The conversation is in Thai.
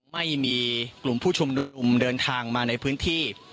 ไม่มีกลุ่มผู้ชุมนุมเดินทางมาในพื้นที่